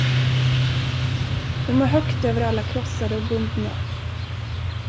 De var högt över alla krossade och bundna.